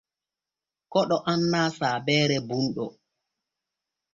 Koɗo annaa saabeere bunɗo der wuro.